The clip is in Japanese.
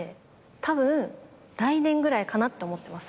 たぶん来年ぐらいかなって思ってます